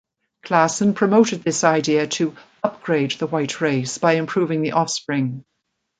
Klassen promoted this idea to "upgrade" the white race by improving the offspring.